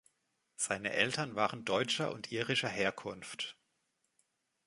Seine Eltern waren deutscher und irischer Herkunft.